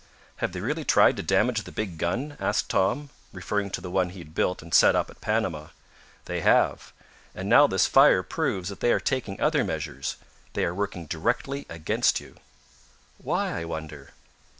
"Have they really tried to damage the big gun?" asked Tom, referring to one he had built and set up at Panama. "They have. And now this fire proves that they are taking other measures they are working directly against you." "Why, I wonder?"